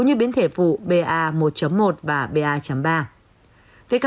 như biến thể phụ ba một một và ba ba